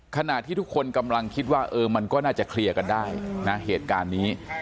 ขณะที่ทุกคนกำลังคิดว่าเออมันก็น่าจะเคลียร์กันได้นะเหตุการณ์นี้